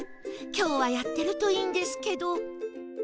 今日はやってるといいんですけど